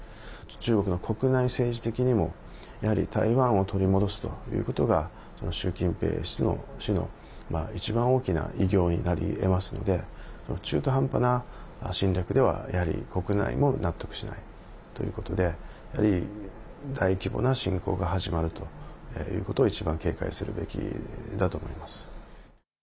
中国の国内政治的にも、やはり台湾を取り戻すということが習近平氏の、一番大きな偉業になりえますので中途半端な侵略では、やはり国内も納得しないということでやはり大規模な侵攻が始まるということが一番警戒するべきだと思います。